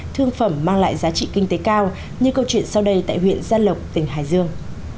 thương phẩm mang lại giá trị kinh tế cao như câu chuyện sau đây tại huyện gia lộc tỉnh hải dương